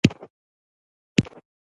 انتظار اشد من القتل دی